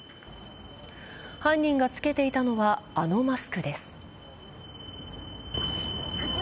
犯人がつけていたのは、あのマスクです。